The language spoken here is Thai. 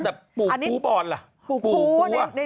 แต่ปู่กูปอนลุ่ะ